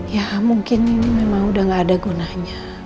ya mungkin ini memang udah gak ada gunanya